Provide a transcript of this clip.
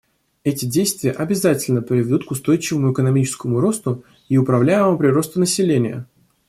Эти действия обязательно приведут к устойчивому экономическому росту и управляемому приросту населения.